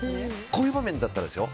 こういう場面だったらですよ。